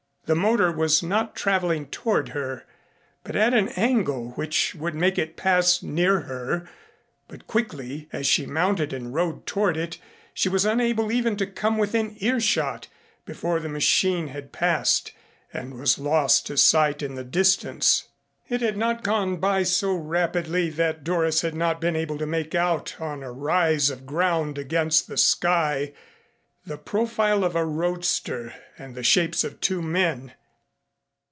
The motor was not traveling toward her, but at an angle which would make it pass near her, but quickly as she mounted and rode toward it she was unable even to come within earshot before the machine had passed and was lost to sight in the distance. It had not gone by so rapidly that Doris had not been able to make out on a rise of ground against the sky the profile of a roadster and the shapes of two men.